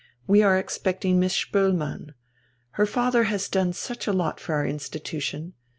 We are expecting Miss Spoelmann. Her father has done such a lot for our institution....